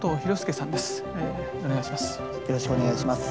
お願いします。